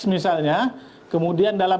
misalnya kemudian dalam